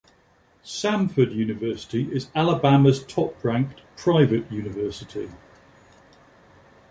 Samford University is Alabama's top-ranked private university.